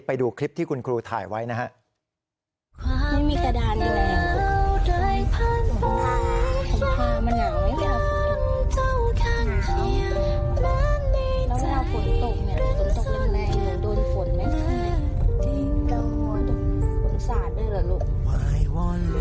ไปดูคลิปที่คุณครูถ่ายไว้นะฮะ